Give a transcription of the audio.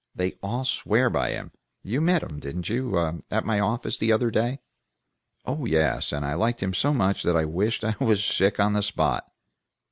They all swear by him. You met him, didn't you, at my office, the other day?" "Oh yes, and I liked him so much that I wished I was sick on the spot!"